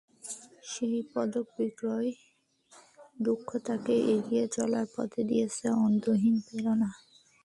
সেই পদক বিক্রির দুঃখ তাঁকে এগিয়ে চলার পথে দিয়েছে অন্তহীন প্রেরণা।